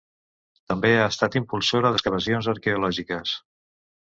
També ha estat impulsora d'excavacions arqueològiques.